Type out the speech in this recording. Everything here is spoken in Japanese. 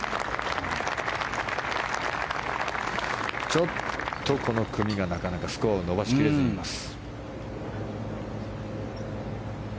ちょっとこの組がなかなかスコアを伸ばしきれずにいます。